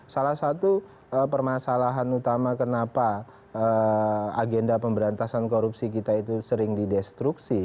salah satu permasalahan utama kenapa agenda pemberantasan korupsi kita itu sering didestruksi